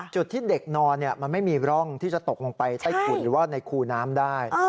จุดที่เด็กนอนมันไม่มีร่องที่จะตกลงไปใต้ถุนหรือว่าในคูน้ำได้